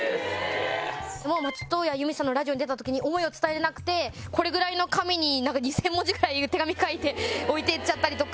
松任谷由実さんのラジオに出た時に思いを伝えられなくてこれぐらいの紙に２０００文字くらい手紙書いて置いていっちゃったりとか。